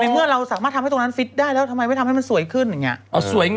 ในเมื่อเราสามารถทำให้ตรงนั้นฟิฟท์ได้แล้วทำไมไม่ทำให้ความมีวันสวยขึ้น